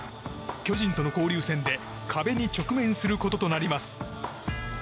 巨人との交流戦で壁に直面することとなります。